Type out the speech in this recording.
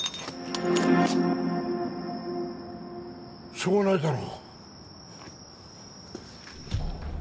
しょうがないだろう。